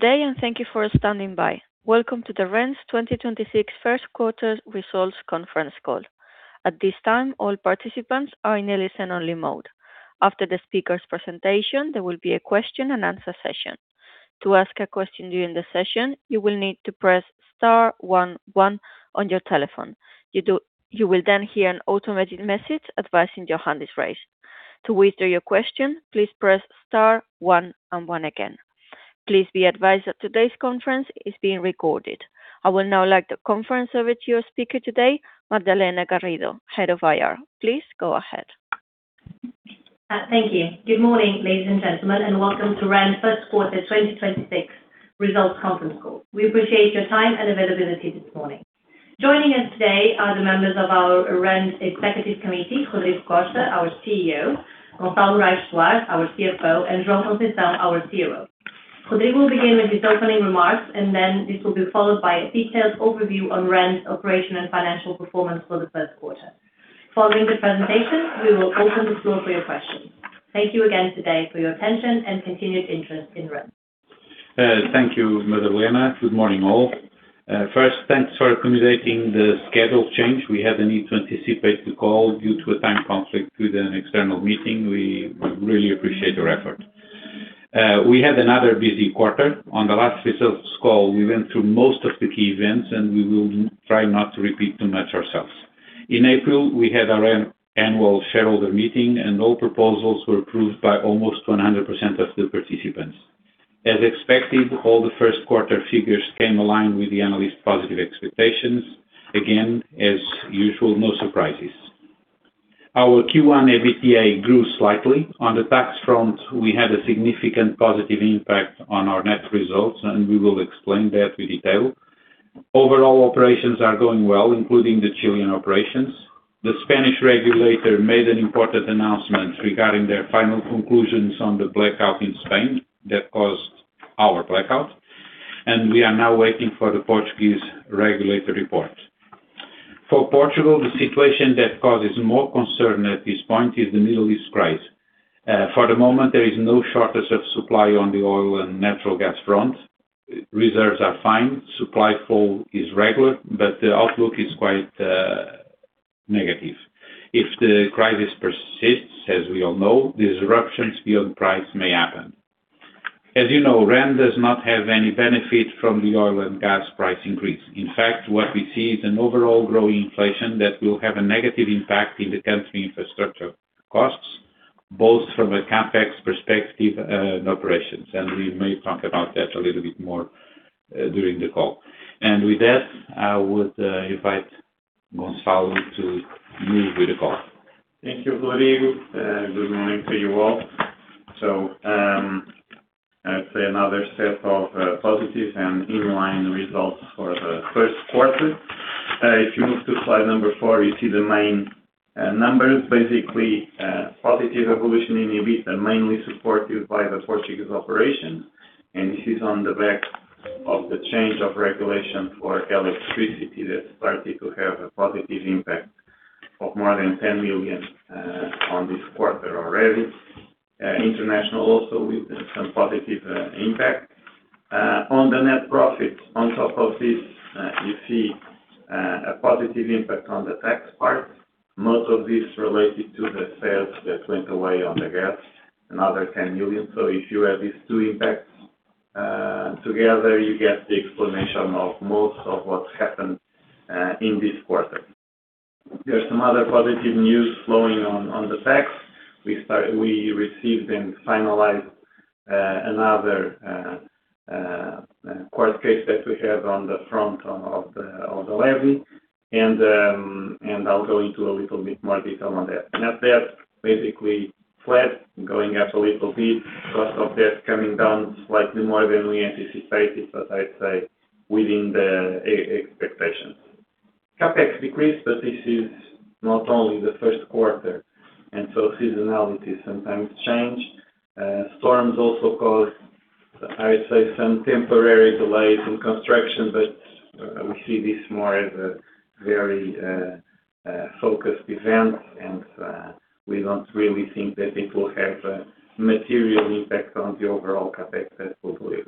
Thank you for standing by. Welcome to the REN's 2026 first quarter results conference call. At this time, all participants are in a listen-only mode. After the speaker's presentation, there will be a question and answer session. To ask a question during the session, you will need to press star one one on your telephone. You will then hear an automated message advising your hand is raised. To withdraw your question, please press star one and one again. Please be advised that today's conference is being recorded. I will now like the conference over to your speaker today, Madalena Garrido, Head of IR. Please go ahead. Thank you. Good morning, ladies and gentlemen, and welcome to REN first quarter 2026 results conference call. We appreciate your time and availability this morning. Joining us today are the members of our REN's Executive Committee, Rodrigo Costa, our CEO; Gonçalo Morais Soares, our CFO; and João Carreira Faria Conceição, our COO. Rodrigo will begin with his opening remarks. This will be followed by a detailed overview on REN's operation and financial performance for the first quarter. Following the presentation, we will open the floor for your questions. Thank you again today for your attention and continued interest in REN. Thank you, Madalena. Good morning, all. First, thanks for accommodating the schedule change. We had the need to anticipate the call due to a time conflict with an external meeting. We really appreciate your effort. We had another busy quarter. On the last results call, we went through most of the key events. We will try not to repeat too much ourselves. In April, we had our annual shareholder meeting. All proposals were approved by almost 100% of the participants. As expected, all the first quarter figures came aligned with the analyst positive expectations. Again, as usual, no surprises. Our Q1 EBITDA grew slightly. On the tax front, we had a significant positive impact on our net results. We will explain that with detail. Overall operations are going well, including the Chilean operations. The Spanish regulator made an important announcement regarding their final conclusions on the blackout in Spain that caused our blackout. We are now waiting for the Portuguese regulator report. For Portugal, the situation that causes more concern at this point is the Middle East crisis. For the moment, there is no shortage of supply on the oil and natural gas front. Reserves are fine. Supply flow is regular, but the outlook is quite negative. If the crisis persists, as we all know, disruptions beyond price may happen. As you know, REN does not have any benefit from the oil and gas price increase. In fact, what we see is an overall growing inflation that will have a negative impact in the country infrastructure costs, both from a CapEx perspective and operations. We may talk about that a little bit more during the call. With that, I would invite Gonçalo to move with the call. Thank you, Rodrigo. Good morning to you all. I'd say another set of positives and in-line results for the first quarter. If you move to slide number four, you see the main numbers, basically, positive evolution in EBITDA, mainly supported by the Portuguese operation. This is on the back of the change of regulation for electricity that started to have a positive impact of more than 10 million on this quarter already. International also with some positive impact. On the net profit on top of this, you see a positive impact on the tax part. Most of this related to the sales that went away on the gas, another 10 million. If you add these two impacts together, you get the explanation of most of what happened in this quarter. There's some other positive news flowing on the tax. We received and finalized another court case that we have on the front of the levy. I'll go into a little bit more detail on that. Net debt basically flat, going up a little bit. Cost of debt coming down slightly more than we anticipated, but I'd say within the expectations. CapEx decreased, but this is not only the first quarter, and so seasonality sometimes change. Storms also caused, I would say, some temporary delays in construction, but we see this more as a very focused event. We don't really think that it will have a material impact on the overall CapEx that we believe.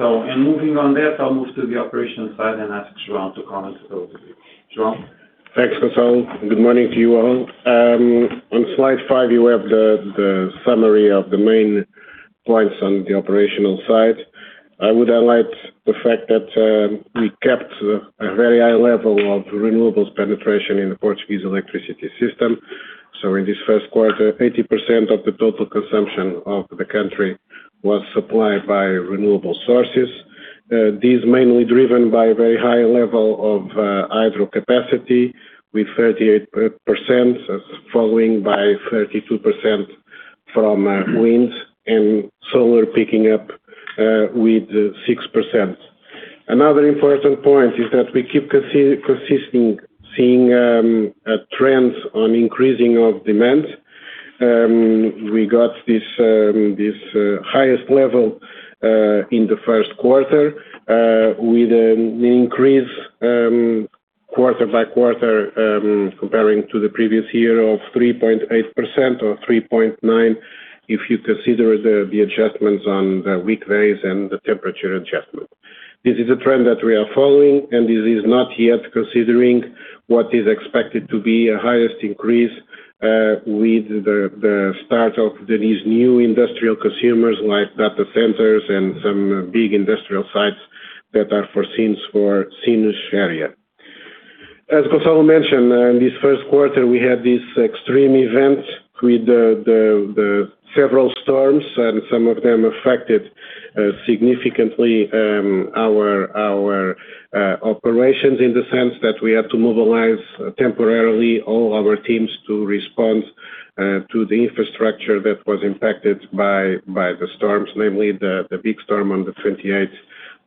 In moving on that, I'll move to the operations side and ask João to comment on those. João? Thanks, Gonçalo. Good morning to you all. On slide five, you have the summary of the main points on the operational side. I would highlight the fact that we kept a very high level of renewables penetration in the Portuguese electricity system. In this first quarter, 80% of the total consumption of the country was supplied by renewable sources. This mainly driven by very high level of hydro capacity with 38%, following by 32% from wind and solar picking up with 6%. Another important point is that we keep consistently seeing a trend on increasing of demand. We got this highest level in the first quarter, with an increase. Quarter by-quarter, comparing to the previous year of 3.8% or 3.9%, if you consider the adjustments on the weekdays and the temperature adjustment. This is a trend that we are following, and this is not yet considering what is expected to be a highest increase, with the start of these new industrial consumers like data centers and some big industrial sites that are foreseen for Sines area. As Gonçalo mentioned, in this first quarter we had these extreme events with the several storms. Some of them affected significantly our operations in the sense that we had to mobilize temporarily all our teams to respond to the infrastructure that was impacted by the storms, namely the big storm on the 28th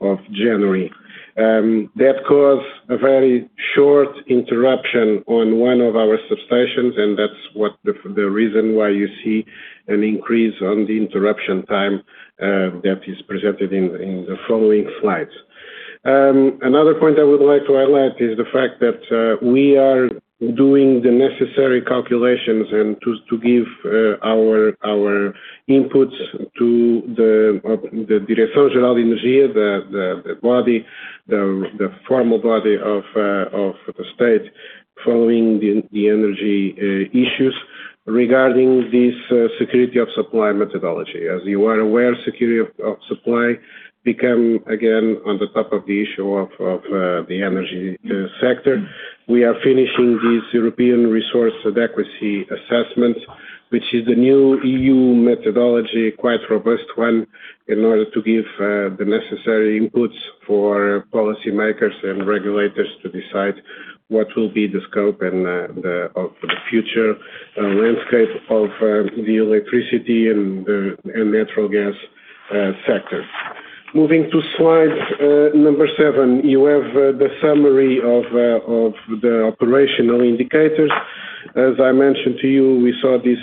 of January. That caused a very short interruption on one of our substations, and that's what the reason why you see an increase on the interruption time that is presented in the following slides. Another point I would like to highlight is the fact that we are doing the necessary calculations and to give our inputs to the Direção-Geral de Energia e Geologia, the formal body of the state following the energy issues regarding this security of supply methodology. As you are aware, security of supply become again on the top of the issue of the energy sector. We are finishing this European Resource Adequacy Assessment, which is the new EU methodology, quite robust one, in order to give the necessary inputs for policy makers and regulators to decide what will be the scope and of the future landscape of the electricity and natural gas sector. Moving to slide number 7, you have the summary of the operational indicators. As I mentioned to you, we saw this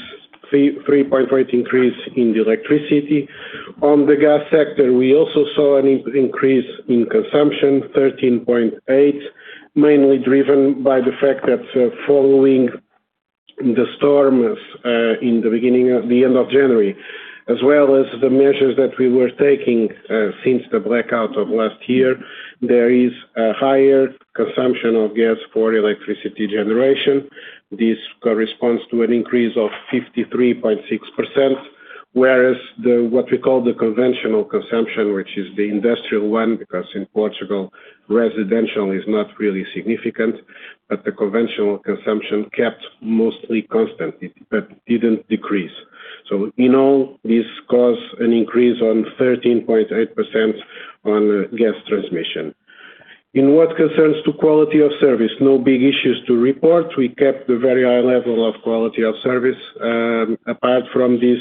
3.8% increase in the electricity. On the gas sector, we also saw an increase in consumption, 13.8%, mainly driven by the fact that, following the storms in the beginning of the end of January, as well as the measures that we were taking since the blackout of last year, there is a higher consumption of gas for electricity generation. This corresponds to an increase of 53.6%, whereas what we call the conventional consumption, which is the industrial one, because in Portugal, residential is not really significant. The conventional consumption kept mostly constant. It didn't decrease. In all this caused an increase on 13.8% on gas transmission. In what concerns to quality of service, no big issues to report. We kept a very high level of quality of service, apart from this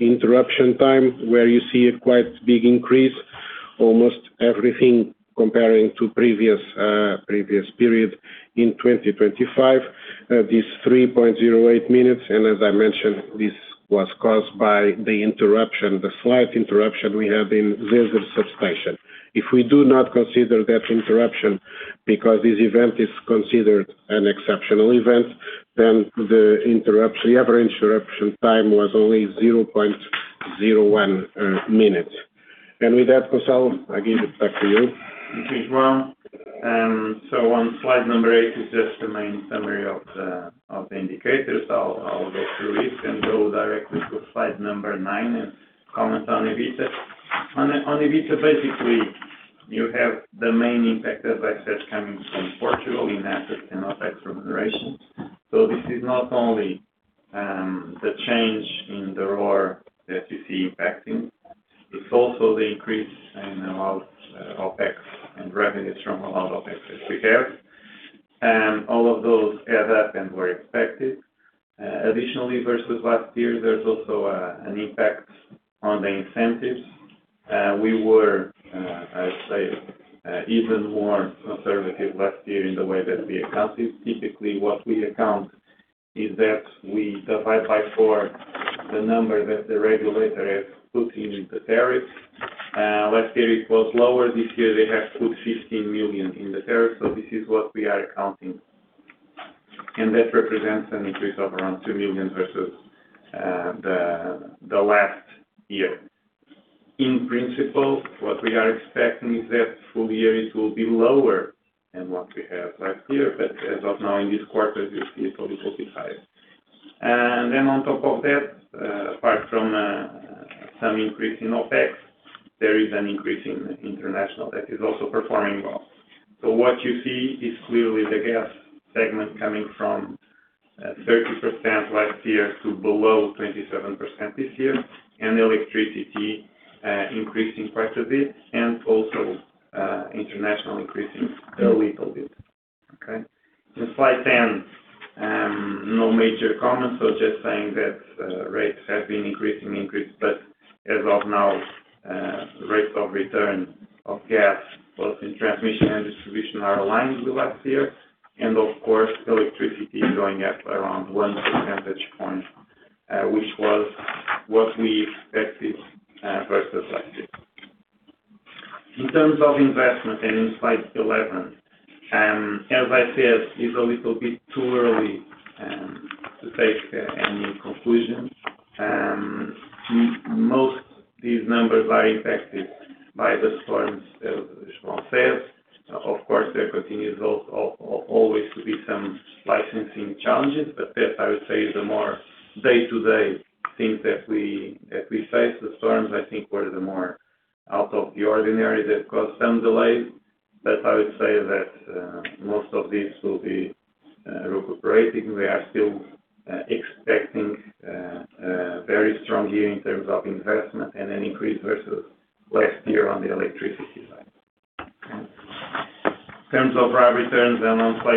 interruption time where you see a quite big increase, almost everything comparing to previous previous period in 2025, these 3.08 minutes. As I mentioned, this was caused by the interruption, the slight interruption we had in Viseu substation. If we do not consider that interruption because this event is considered an exceptional event, then the interruption, the average interruption time was only 0.01 minutes. With that, Gonçalo, I give it back to you. João. On slide number 8 is just the main summary of the indicators. I'll go through it and go directly to slide number 9 and comment on EBITDA. On EBITDA, basically you have the main impact, as I said, coming from Portugal in assets and OpEx remuneration. This is not only the change in the RoR that you see impacting, it's also the increase in allowed OpEx and revenues from allowed OpEx that we have. All of those add up and were expected. Additionally versus last year, there's also an impact on the incentives. We were, I'd say, even more conservative last year in the way that we account it. Typically what we account is that we divide by 4 the number that the regulator has put in the tariff. Last year it was lower. This year they have put 15 million in the tariff, so this is what we are accounting. That represents an increase of around 2 million versus the last year. In principle, what we are expecting is that full year it will be lower than what we have last year. As of now, in this quarter, you see it will be higher. On top of that, apart from some increase in OpEx, there is an increase in international that is also performing well. What you see is clearly the gas segment coming from 30% last year to below 27% this year, and the electricity increasing quite a bit and also international increasing a little bit. In slide 10, no major comments. Just saying that rates have been increasing, increased, but as of now, rates of return of gas, both in transmission and distribution, are aligned with last year. Of course, electricity is going up around 1 percentage point, which was what we expected versus last year. In terms of investment and in slide 11, as I said, it's a little bit too early to take any conclusions. Most of these numbers are impacted by the storms that João said. Of course, there continues always to be some licensing challenges,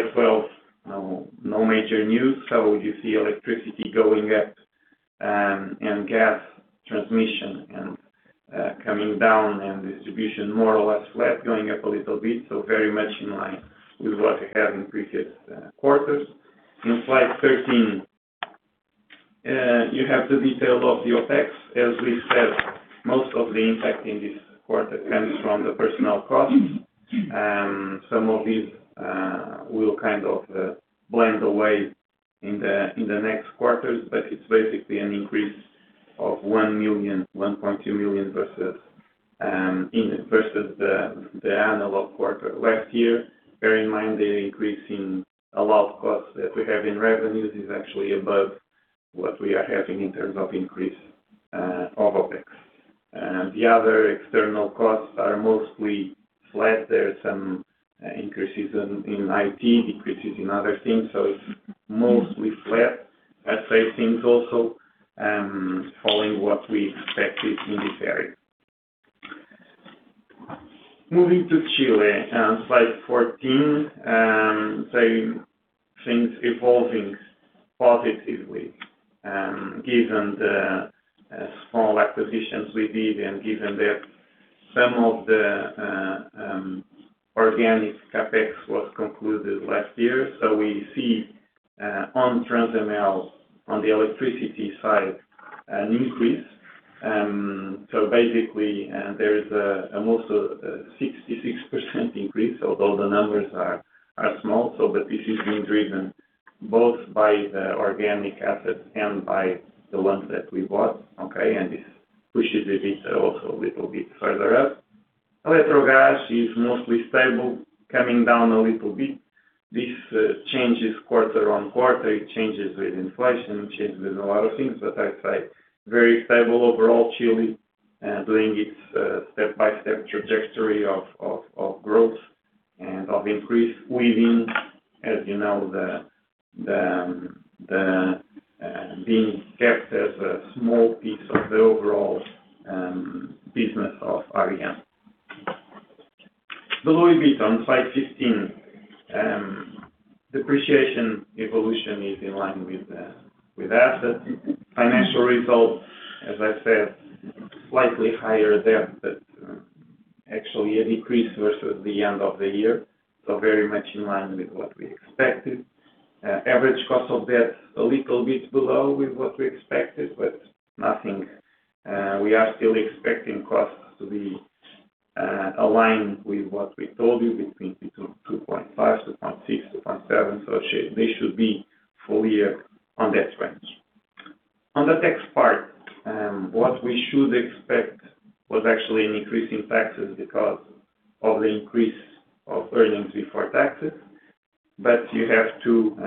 but that some increases in IT, decreases in other things. It's mostly flat. I'd say things also following what we expected in this area. Moving to Chile, slide 14, same things evolving positively, given the small acquisitions we did and given that some of the organic CapEx was concluded last year. We see on Transemel on the electricity side an increase. Basically, there is almost a 66% increase, although the numbers are small. This is being driven both by the organic assets and by the ones that we bought, okay? This pushes the EBITDA also a little bit further up. Electrogas is mostly stable, coming down a little bit. This changes quarter-on-quarter. It changes with inflation, it changes with a lot of things. I'd say very stable overall Chile, doing its step-by-step trajectory of growth and of increase within, as you know, the being kept as a small piece of the overall business of REN. Below it on slide 15, depreciation evolution is in line with assets. Financial results, as I said, slightly higher there, but actually a decrease versus the end of the year. Very much in line with what we expected. Average cost of debt a little bit below with what we expected, but nothing. We are still expecting costs to be aligned with what we told you between 2.5, 2.6, 2.7. They should be full year on that range. On the tax part, what we should expect was actually an increase in taxes because of the increase of earnings before taxes. You have 2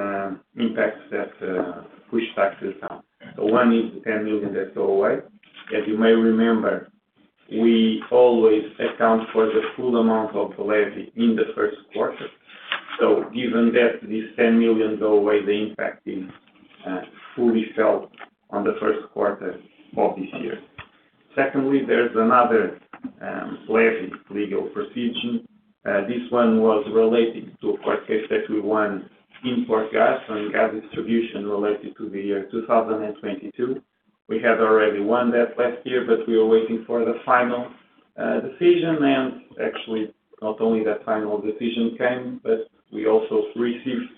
impacts that push taxes down. One is the 10 million that go away. As you may remember, we always account for the full amount of levy in the first quarter. Given that this 10 million go away, the impact is fully felt on the first quarter of this year. Secondly, there's another levy legal proceeding. This one was related to a court case that we won in Portgás, on gas distribution related to the year 2022. We had already won that last year, but we were waiting for the final decision. Actually, not only that final decision came, but we also received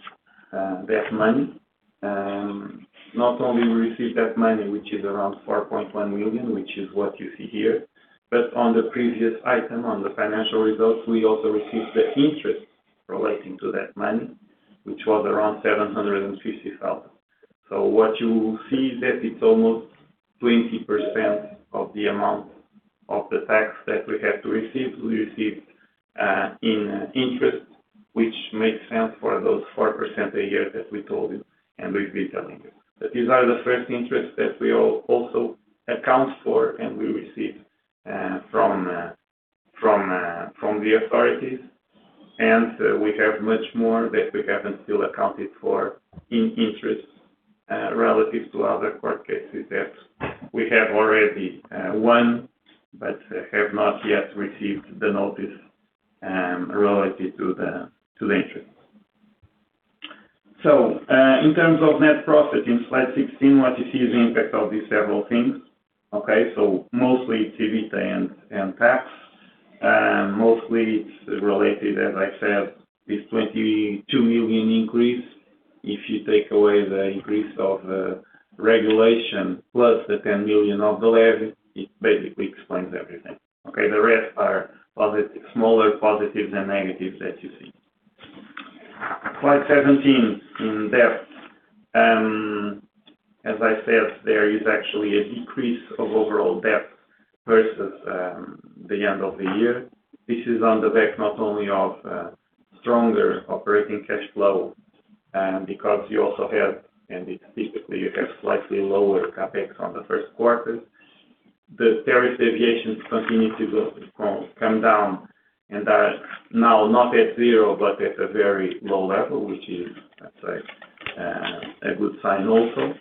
that money. Not only we received that money, which is around 4.1 million, which is what you see here, but on the previous item, on the financial results, we also received the interest relating to that money, which was around 750,000. What you see is that it's almost 20% of the amount of the tax that we have to receive. We received in interest, which makes sense for those 4% a year that we told you and we've been telling you. These are the first interests that we also account for and we received from the authorities. We have much more that we haven't still accounted for in interest, relative to other court cases that we have already won but have not yet received the notice, relative to the interest. In terms of net profit, in slide 16, what you see is the impact of these several things, okay? Mostly EBITDA and tax. Mostly it's related, as I said, this 22 million increase. If you take away the increase of regulation plus the 10 million of the levy, it basically explains everything. The rest are smaller positives and negatives that you see. Slide 17, in debt, as I said, there is actually a decrease of overall debt versus the end of the year. This is on the back not only of stronger operating cash flow, and because you also have, and specifically you have slightly lower CapEx on the first quarter. The tariff deviations continue to come down and are now not at zero, but at a very low level, which is, let's say, a good sign also.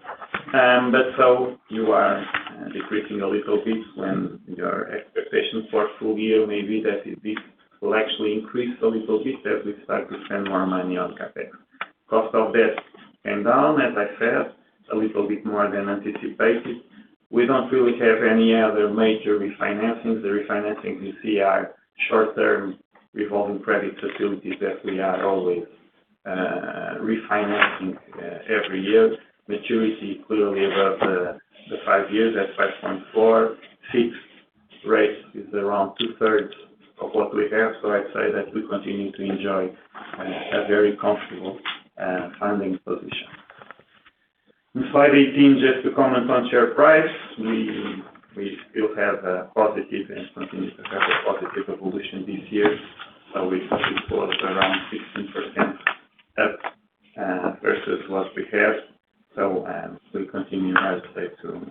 You are decreasing a little bit when your expectation for a full year may be that this will actually increase a little bit as we start to spend more money on CapEx. Cost of debt came down, as I said, a little bit more than anticipated. We don't really have any other major refinancings. The refinancings you see are short-term revolving credit facilities that we are always refinancing every year. Maturity clearly above the five years at 5.4. Fixed rate is around two-thirds of what we have, so I'd say that we continue to enjoy a very comfortable funding position. In slide 18, just to comment on share price. We still have a positive and continue to have a positive evolution this year. We close around 16% up versus what we have. We continue, I'd say, to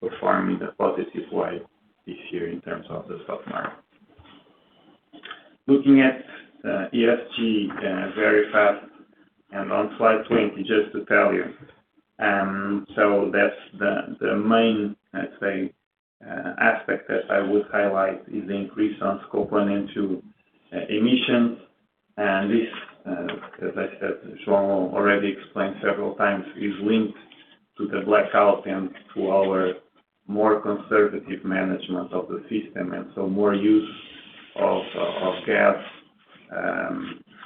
perform in a positive way this year in terms of the stock market. Looking at ESG very fast and on slide 20, just to tell you. That's the main, let's say, aspect that I would highlight is the increase on Scope 1 and 2 emissions. This, as I said, João already explained several times, is linked to the blackout and to our more conservative management of the system, and so more use of gas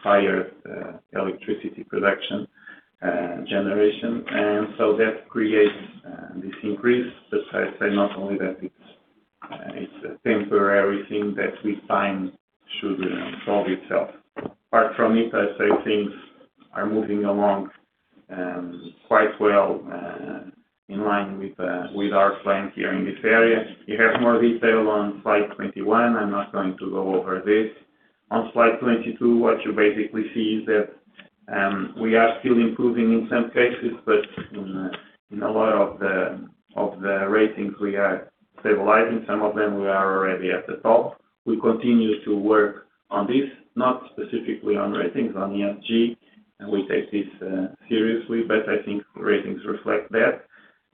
fired electricity production generation. That creates this increase. I say not only that, it is a temporary thing that we find should resolve itself. Apart from it, I say things are moving along quite well in line with our plan here in this area. You have more detail on slide 21. I am not going to go over this. On slide 22, what you basically see is that we are still improving in some cases, but in a lot of the ratings, we are stabilizing. Some of them we are already at the top. We continue to work on this, not specifically on ratings, on ESG. We take this seriously, but I think ratings reflect that.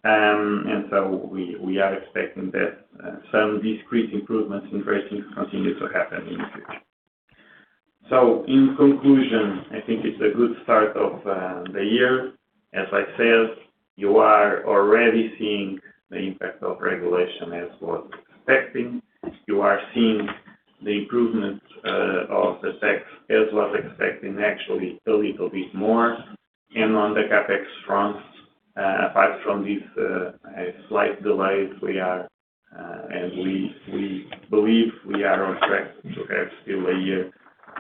We are expecting that some discrete improvements in ratings continue to happen in the future. In conclusion, I think it's a good start of the year. As I said, you are already seeing the impact of regulation as was expecting. You are seeing the improvement of the tax as was expecting, actually a little bit more. On the CapEx front, apart from these slight delays, we are, and we believe we are on track to have still a year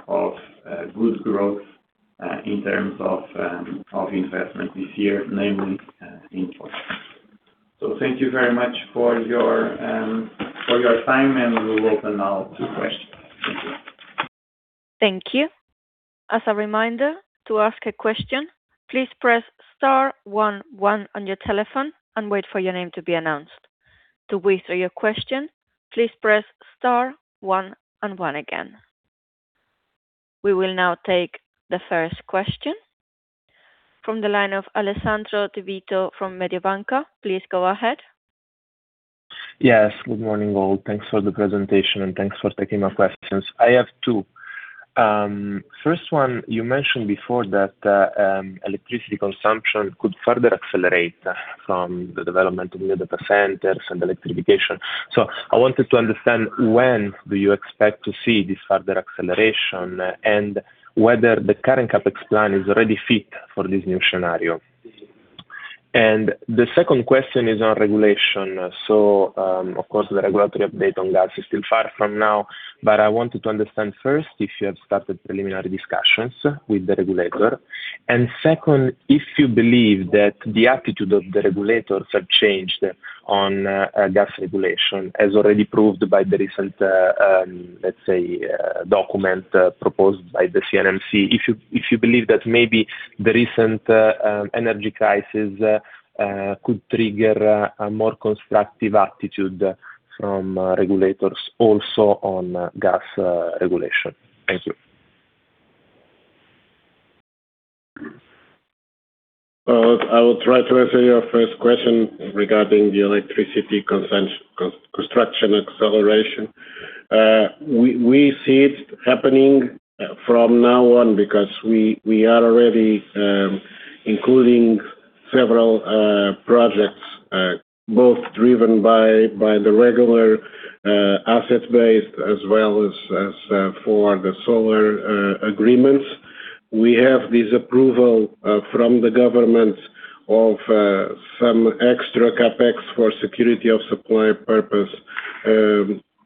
of good growth in terms of investment this year, namely in Portugal. Thank you very much for your time, and we will open now to questions. Thank you. As a reminder, to ask a question, please press star 11 on your telephone and wait for your name to be announced. To withdraw your question, please press star 1 and 1 again. We will now take the first question from the line of Alessandro Di Vito from Mediobanca. Please go ahead. Yes. Good morning, all. Thanks for the presentation and thanks for taking my questions. I have two. First one, you mentioned before that electricity consumption could further accelerate from the development of data centers and electrification. I wanted to understand when do you expect to see this further acceleration and whether the current CapEx plan is already fit for this new scenario? The second question is on regulation. Of course, the regulatory update on gas is still far from now. I wanted to understand first, if you have started preliminary discussions with the regulator. Second, if you believe that the attitude of the regulators have changed on gas regulation as already proved by the recent, let's say, document proposed by the CNMC. If you believe that maybe the recent energy crisis could trigger a more constructive attitude from regulators also on gas regulation. Thank you. Well, I will try to answer your first question regarding the electricity construction acceleration. We see it happening from now on because we are already including Several projects, both driven by the regular asset base as well as for the solar agreements. We have this approval from the government of some extra CapEx for security of supply purpose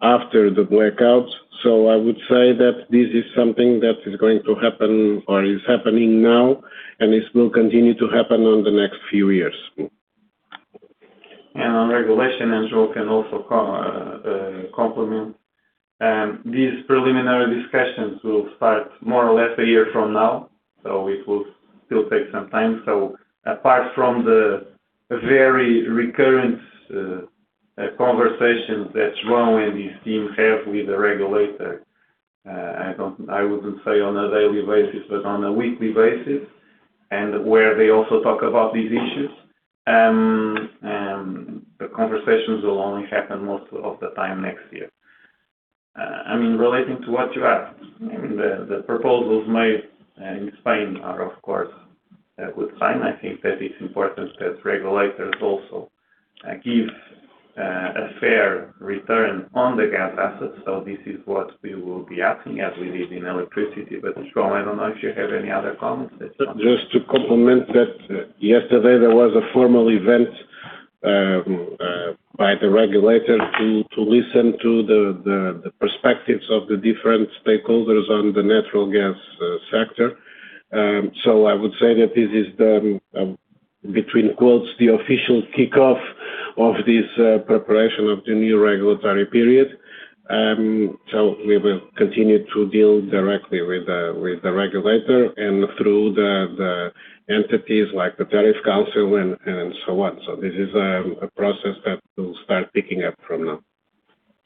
after the blackouts. I would say that this is something that is going to happen or is happening now, and this will continue to happen on the next few years. On regulation, João can also compliment. These preliminary discussions will start more or less a year from now, so it will still take some time. Apart from the very recurrent conversation that João and his team have with the regulator, I wouldn't say on a daily basis, but on a weekly basis, and where they also talk about these issues. The conversations will only happen most of the time next year. I mean, relating to what you asked, I mean the proposals made in Spain are, of course, a good sign. I think that it's important that regulators also give a fair return on the gas assets. This is what we will be asking as we did in electricity. João, I don't know if you have any other comments? Just to complement that yesterday there was a formal event by the regulator to listen to the perspectives of the different stakeholders on the natural gas sector. I would say that this is the, between quotes, the official kickoff of this preparation of the new regulatory period. We will continue to deal directly with the regulator and through the entities like the Tariff Council and so on. This is a process that will start picking up from now.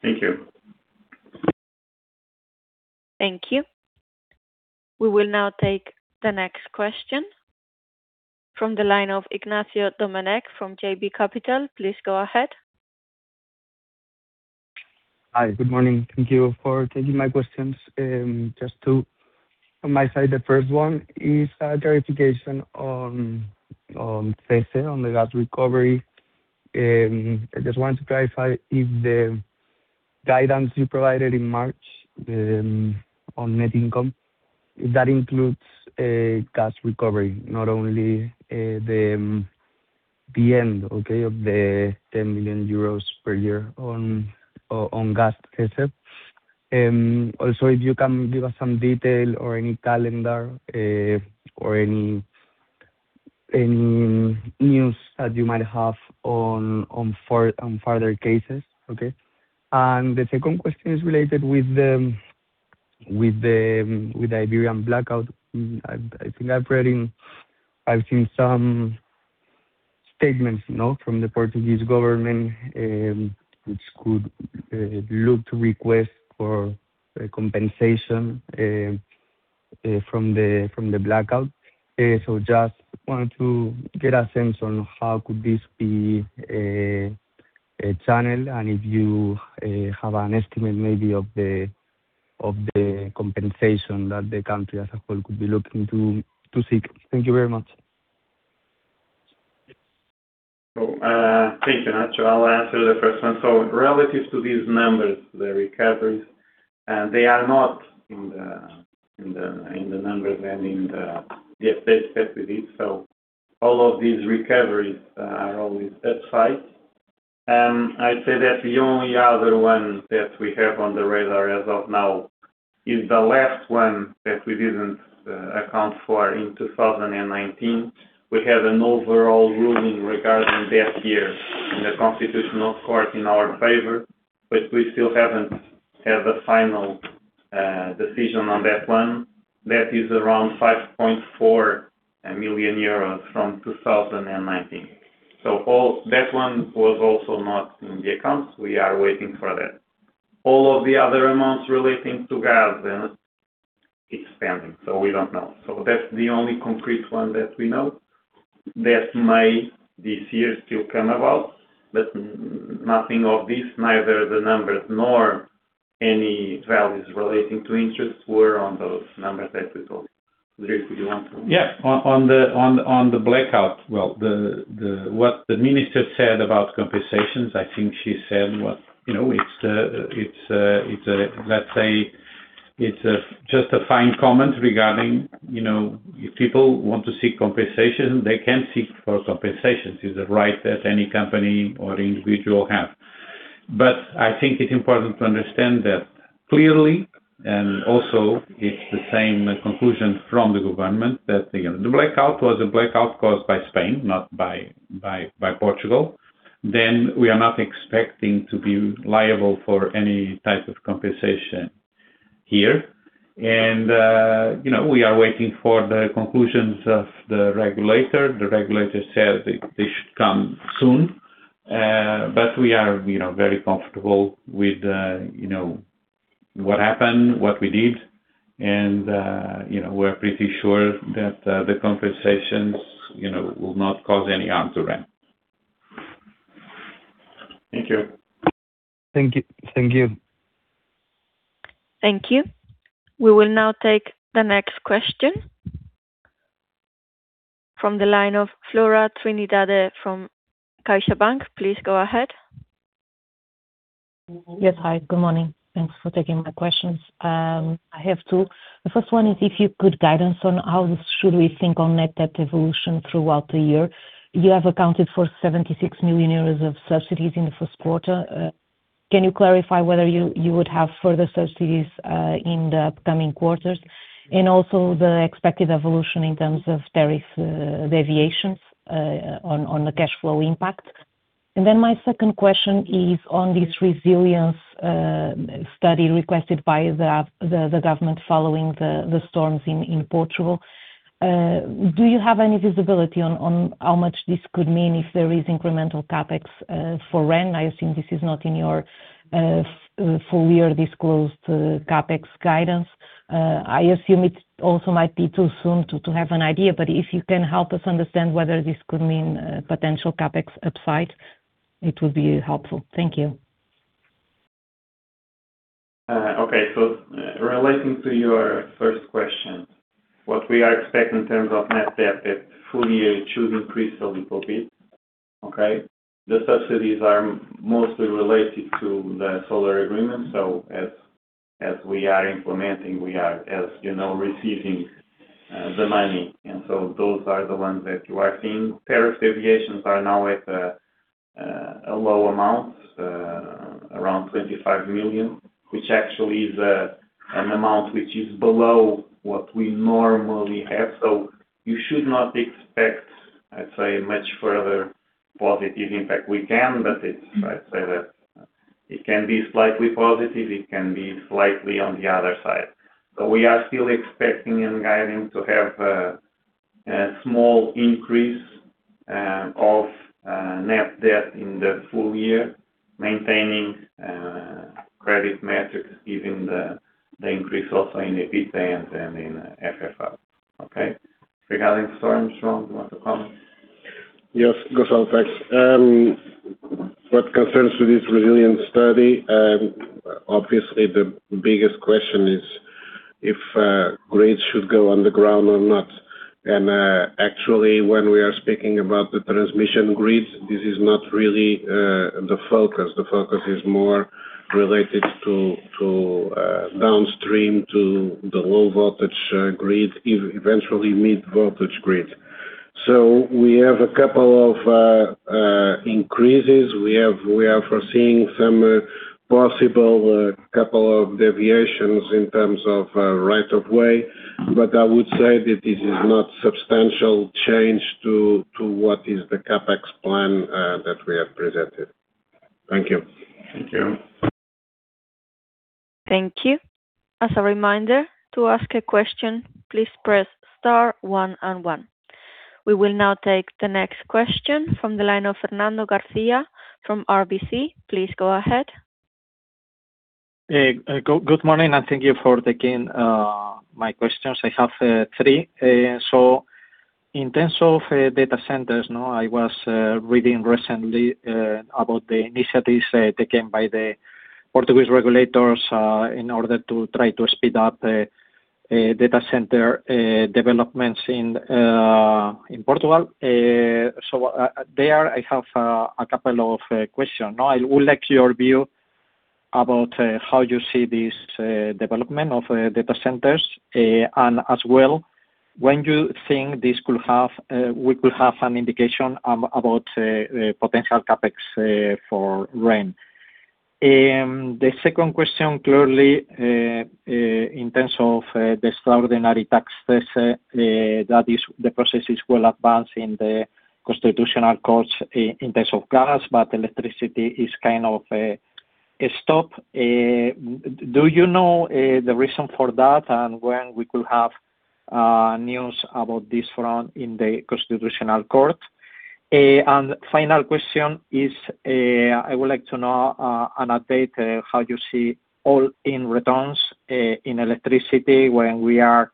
Thank you. Thank you. We will now take the next question from the line of Ignacio Domenech from JB Capital. Please go ahead. Hi. Good morning. Thank you for taking my questions. On my side, the first one is a clarification on CESE, on the gas recovery. I just wanted to clarify if the guidance you provided in March on net income, if that includes a gas recovery, not only the end, okay, of the 10 million euros per year on gas CESE. Also, if you can give us some detail or any calendar or any news that you might have on further cases. Okay? The second question is related with the Iberian blackout. I think I've seen some statements, you know, from the Portuguese government, which could look to request for a compensation from the blackout. Just wanted to get a sense on how could this be channeled, and if you have an estimate maybe of the compensation that the country as a whole could be looking to seek. Thank you very much. Thank you, Ignacio. I'll answer the first one. Relative to these numbers, the recoveries, they are not in the numbers and in the updates that we did. All of these recoveries are always at 5. I'd say that the only other one that we have on the radar as of now is the last one that we didn't account for in 2019. We had an overall ruling regarding that year in the constitutional court in our favor, but we still haven't had a final decision on that one. That is around 5.4 million euros from 2019. All That one was also not in the accounts. We are waiting for that. All of the other amounts relating to gas, it's pending, so we don't know. That's the only concrete one that we know that may this year still come about. Nothing of this, neither the numbers nor any values relating to interest were on those numbers that we told. João, do you want to- Yeah. On the blackout, well, what the minister said about compensations, I think she said what, you know, it's a Let's say it's a justifying comment regarding, you know, if people want to seek compensation, they can seek for compensation. It's a right that any company or individual have. I think it's important to understand that clearly, and also it's the same conclusion from the government, that the blackout was a blackout caused by Spain, not by Portugal, we are not expecting to be liable for any type of compensation here. You know, we are waiting for the conclusions of the regulator. The regulator said they should come soon. We are, you know, very comfortable with, you know, what happened, what we did, and, you know, we're pretty sure that the compensations, you know, will not cause any harm to REN. Thank you. Thank you, thank you. Thank you. We will now take the next question from the line of Flora Trindade from CaixaBank. Please go ahead. Yes. Hi, good morning. Thanks for taking my questions. I have two. The first one is if you could guidance on how should we think on net debt evolution throughout the year. You have accounted for 76 million euros of subsidies in the first quarter. Can you clarify whether you would have further subsidies in the upcoming quarters? Also the expected evolution in terms of tariff deviations on the cash flow impact. My second question is on this resilience study requested by the government following the storms in Portugal. Do you have any visibility on how much this could mean if there is incremental CapEx for REN? I assume this is not in your full year disclosed CapEx guidance. I assume it also might be too soon to have an idea, but if you can help us understand whether this could mean potential CapEx upside, it would be helpful. Thank you. Okay. Relating to your first question, what we are expecting in terms of net debt at full year should increase a little bit. Okay. The subsidies are mostly related to the solar agreement. As we are implementing, we are, as you know, receiving the money. Those are the ones that you are seeing. Tariff deviations are now at a low amount, around 25 million, which actually is an amount which is below what we normally have. You should not expect, I'd say, much further positive impact. We can, but it's I'd say that it can be slightly positive, it can be slightly on the other side. We are still expecting and guiding to have a small increase of net debt in the full year, maintaining credit metrics given the increase also in EBITDA and in FFO. Okay? Regarding storms, João, you want to comment? Yes, Gonçalo. Thanks. What concerns to this resilience study, obviously the biggest question is if grids should go underground or not. Actually, when we are speaking about the transmission grid, this is not really the focus. The focus is more related to downstream to the low voltage grid, eventually mid voltage grid. We have a couple of increases. We are foreseeing some possible couple of deviations in terms of right of way. I would say that this is not substantial change to what is the CapEx plan that we have presented. Thank you. Thank you. Thank you. As a reminder, to ask a question, please press star one and one. We will now take the next question from the line of Fernando Garcia from RBC. Please go ahead. Good morning, and thank you for taking my questions. I have three. In terms of data centers, no? I was reading recently about the initiatives taken by the Portuguese regulators in order to try to speed up data center developments in Portugal. There I have a couple of questions. I would like your view about how you see this development of data centers. As well, when you think this could have, we could have an indication about potential CapEx for REN. The second question, clearly, in terms of the extraordinary tax, this that is the processes well advanced in the constitutional court in terms of gas, but electricity is kind of stopped. Do you know the reason for that and when we could have news about this front in the constitutional court? Final question is, I would like to know an update, how you see all-in returns in electricity when we are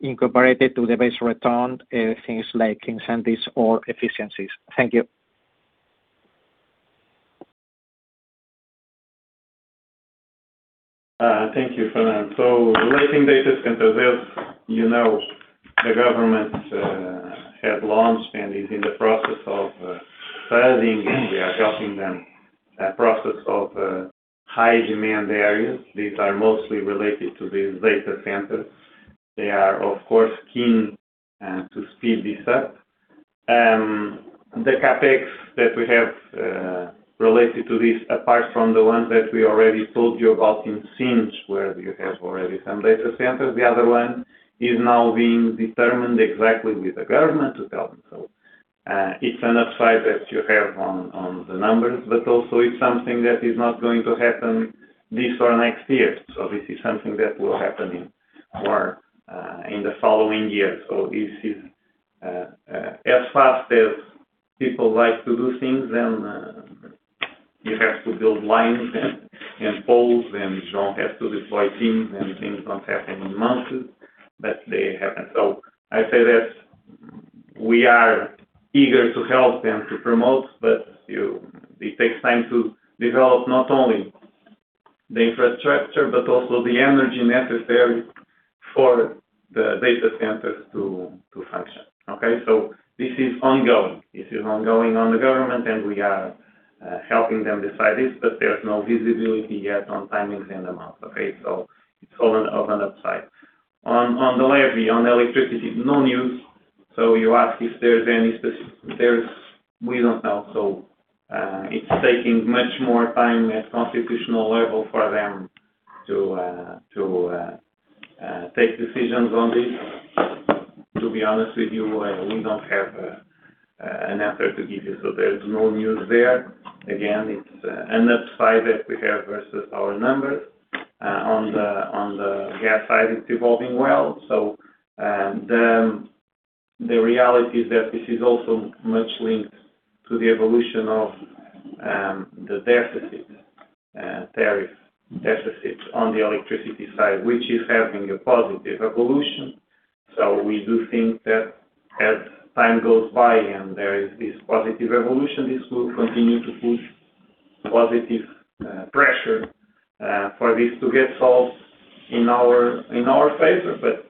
incorporated to the base return, things like incentives or efficiencies. Thank you. Thank you, Fernando. Relating data centers, as you know, the government had launched and is in the process of studying, and we are helping them, a process of high demand areas. These are mostly related to these data centers. They are, of course, keen to speed this up. The CapEx that we have related to this, apart from the ones that we already told you about in Sines where you have already some data centers, the other one is now being determined exactly with the government to tell them so. It's an upside that you have on the numbers, but also it's something that is not going to happen this or next year. This is something that will happen in the following years. This is as fast as people like to do things, then you have to build lines and poles, and João has to deploy teams, and things don't happen in months, but they happen. I say that we are eager to help them to promote, but it takes time to develop not only the infrastructure, but also the energy necessary for the data centers to function. Okay? This is ongoing. This is ongoing on the government, and we are helping them decide this, but there's no visibility yet on timings and amounts. Okay? It's all an open upside. On the levy, on the electricity, no news. You ask if there's any We don't know. It's taking much more time at constitutional level for them to take decisions on this. To be honest with you, we don't have an answer to give you. There's no news there. Again, it's an upside that we have versus our numbers. On the gas side, it's evolving well. The reality is that this is also much linked to the evolution of the tariff deficit on the electricity side, which is having a positive evolution. We do think that as time goes by and there is this positive evolution, this will continue to push positive pressure for this to get solved in our favor.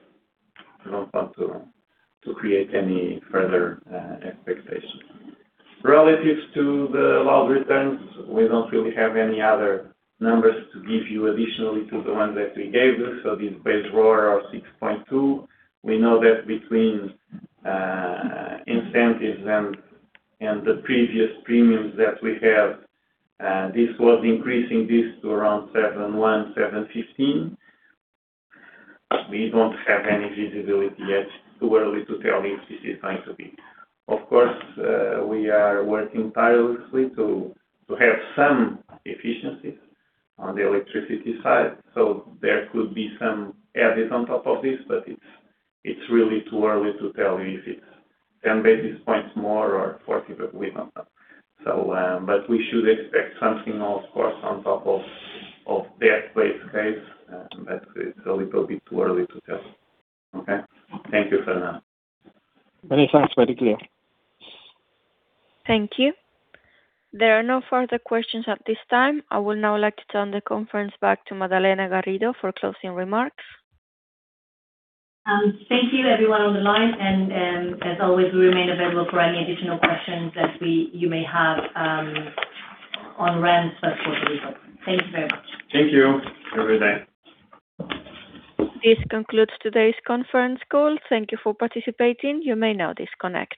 I don't want to create any further expectation. Relative to the allowed returns, we don't really have any other numbers to give you additionally to the ones that we gave you. This base RoR of 6.2. We know that between incentives and the previous premiums that we have, this was increasing this to around 7.1, 7.15. We don't have any visibility yet. It's too early to tell if this is going to be. Of course, we are working tirelessly to have some efficiencies on the electricity side, so there could be some added on top of this, but it's really too early to tell if it's 10 basis points more or 40, but we don't know. We should expect something, of course, on top of that base case, but it's a little bit too early to tell. Okay? Thank you for now. Many thanks. Very clear. Thank you. There are no further questions at this time. I would now like to turn the conference back to Madalena Garrido for closing remarks. Thank you everyone on the line, and as always, we remain available for any additional questions that you may have on REN's support results. Thank you very much. Thank you. Have a good day. This concludes today's conference call. Thank you for participating. You may now disconnect.